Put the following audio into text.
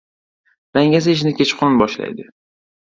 • Dangasa ishni kechqurun boshlaydi.